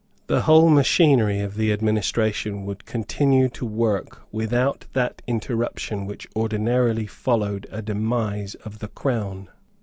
The whole machinery of the administration would continue to work without that interruption which ordinarily followed a demise of the Crown.